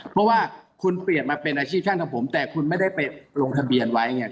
เพราะว่าคุณเปลี่ยนมาเป็นอาชีพช่างของผมแต่คุณไม่ได้ไปลงทะเบียนไว้ไง